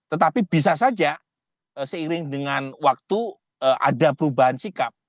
tetapi bisa saja seiring dengan waktu ada perubahan sikap